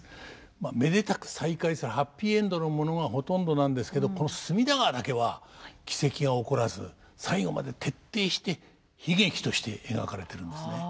まあめでたく再会するハッピーエンドのものがほとんどなんですけどこの「隅田川」だけは奇跡が起こらず最後まで徹底して悲劇として描かれてるんですね。